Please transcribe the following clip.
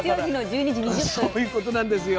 だからそういうことなんですよ。